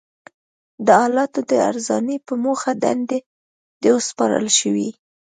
د حالاتو د ارزونې په موخه دندې وسپارل شوې.